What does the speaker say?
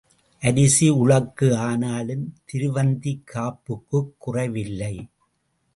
அரிசி உழக்கு ஆனாலும் திருவந்திக் காப்புக்குக் குறைவு இல்லை.